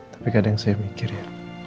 tapi kadang saya mikir ya